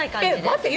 待って。